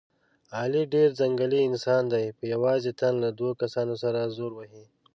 علي ډېر ځنګلي انسان دی، په یوازې تن له دور کسانو سره زور وهي.